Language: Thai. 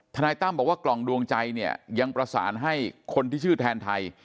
นายตั้มบอกว่ากล่องดวงใจเนี่ยยังประสานให้คนที่ชื่อแทนไทย